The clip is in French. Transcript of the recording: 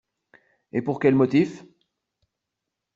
Et pour quels motifs!